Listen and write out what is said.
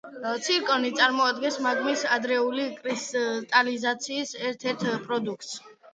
ცირკონი წარმოადგენს მაგმის ადრეული კრისტალიზაციის ერთ-ერთ პროდუქტს.